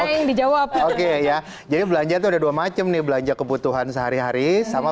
saking dijawab oke ya jadi belanja tuh ada dua macam nih belanja kebutuhan sehari hari sama